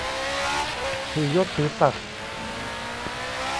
ถือยศถือศักดิ์